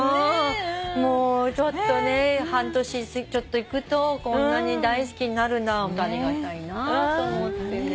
もうちょっとね半年ちょっといくとこんなに大好きになるのはホントありがたいなと思ってね。